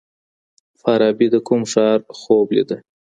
فارابي د کوم ښار خوب لیده؟